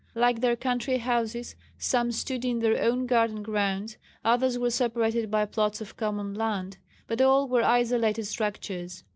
Like their country houses some stood in their own garden grounds, others were separated by plots of common land, but all were isolated structures.